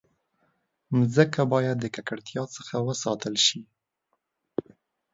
مځکه باید د ککړتیا څخه وساتل شي.